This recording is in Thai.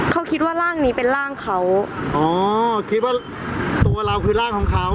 เขาคิดว่าร่างนี้เป็นร่างเขาอ๋อคิดว่าตัวเราคือร่างของเขา